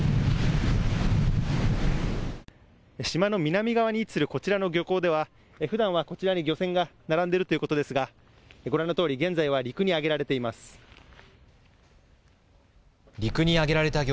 島の南側に位置するこちらの漁港ではふだんはこちらに漁船が並んでいるということですがご覧のとおり現在は陸に上げられています。